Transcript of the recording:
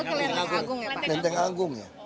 oh ke lenteng agung ya pak